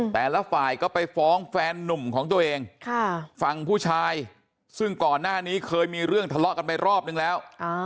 แต่ละฝ่ายก็ไปฟ้องแฟนนุ่มของตัวเองฝั่งผู้ชายซึ่งก่อนหน้านี้เคยมีเรื่องทะเลาะกันไปรอบนึงแล้ว